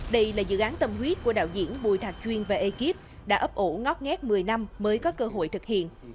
đây là dự án tâm huyết của đạo diễn bù thạc chuyên và ekip đã ấp ổ ngót nghét một mươi năm mới có cơ hội thực hiện